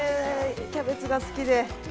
キャベツが好きで。